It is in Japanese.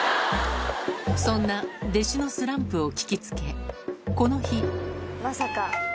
そんな弟子のスランプを聞きつけ、この日。